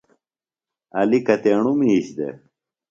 علی کتیݨوۡ مِیش دےۡ؟